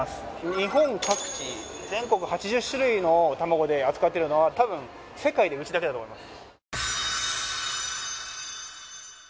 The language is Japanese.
日本各地全国８０種類の卵で扱っているのはたぶん世界でうちだけだと思います。